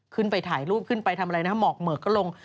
ขึ้นไปถ่ายรูปขึ้นไปทำอะไรนะหมอกเหมือกก็ลง